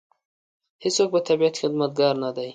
هېڅوک په طبیعت کې خدمتګار نه دی.